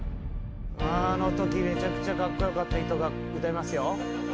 あのときめちゃくちゃカッコ良かった人が歌いますよ。